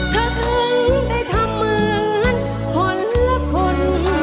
เธอถึงได้ทำเหมือนคนละคน